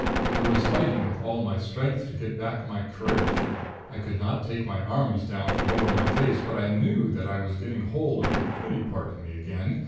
I was fighting with all my strength to get back my courage. I could not take my arms down from over my face, but I knew that I was getting hold of the gritty part of me again.